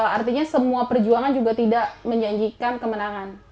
artinya semua perjuangan juga tidak menjanjikan kemenangan